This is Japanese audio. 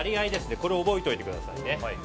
これを覚えておいてください。